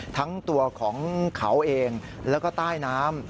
ทั้งตัวของเขาเองแล้วก็ใต้น้ำ